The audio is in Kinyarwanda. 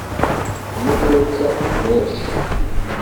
amaduka menshi